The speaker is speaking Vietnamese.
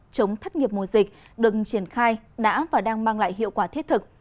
chống thất nghiệp mùa dịch đừng triển khai đã và đang mang lại hiệu quả thiết thực